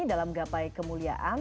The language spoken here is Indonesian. dalam gapai kemuliaan